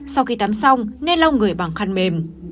sau khi tắm xong nên lau người bằng khăn mềm